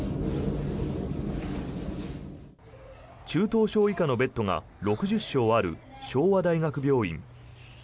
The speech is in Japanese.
中等症以下のベッドが６０床ある昭和大学病院。